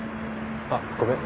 あっごめん